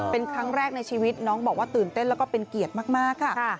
เป็นครั้งแรกในชีวิตน้องบอกว่าตื่นเต้นแล้วก็เป็นเกียรติมากค่ะ